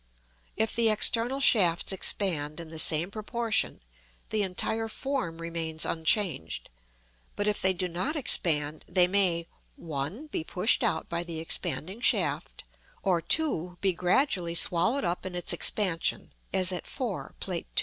If the external shafts expand in the same proportion, the entire form remains unchanged; but if they do not expand, they may (1) be pushed out by the expanding shaft, or (2) be gradually swallowed up in its expansion, as at 4, Plate II.